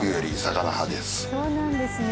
そうなんですね。